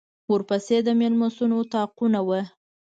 ورپسې د مېلمستون اطاقونه وو.